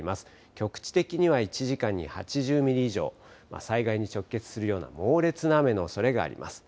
局地的には１時間に８０ミリ以上、災害に直結するような猛烈な雨のおそれがあります。